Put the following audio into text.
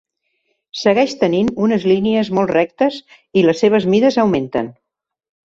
Segueix tenint unes línies molt rectes i les seves mides augmenten.